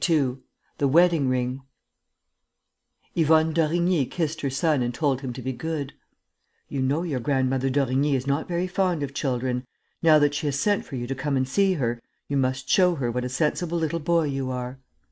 II THE WEDDING RING Yvonne d'Origny kissed her son and told him to be good: "You know your grandmother d'Origny is not very found of children. Now that she has sent for you to come and see her, you must show her what a sensible little boy you are."